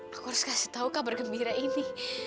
aku harus kasih tahu kabar gembira ini